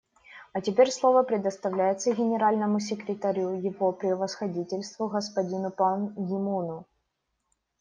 А теперь слово предоставляется Генеральному секретарю Его Превосходительству господину Пан Ги Муну.